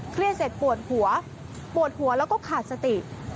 เสร็จปวดหัวปวดหัวแล้วก็ขาดสติ